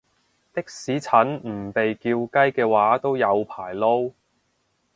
的士陳唔被叫雞嘅話都有排撈